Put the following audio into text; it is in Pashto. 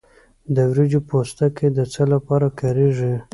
د وریجو پوستکی د څه لپاره کاریږي؟